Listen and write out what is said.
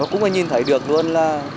cũng có nhìn thấy được luôn là